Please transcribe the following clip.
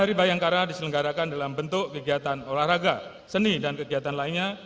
rangkaian hari ulang tahun bayangkara diselenggarakan dalam bentuk kegiatan olahraga seni dan kegiatan lainnya